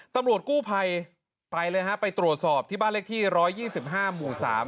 ตำรวจกู้ภัยไปเลยฮะไปตรวจสอบที่บ้านเลขที่๑๒๕หมู่๓